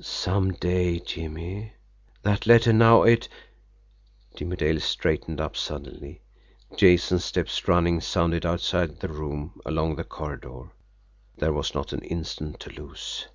"Some day, Jimmie. That letter now. It " Jimmie Dale straightened up suddenly Jason's steps, running, sounded outside the room along the corridor there was not an instant to lose.